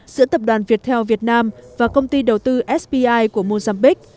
giữa tập đoàn viettel việt nam và công ty đầu tư spi của mozambique